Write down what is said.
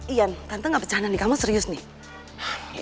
ian tante gak pecahan nih kamu serius nih